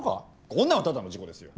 こんなのただの事故ですよ。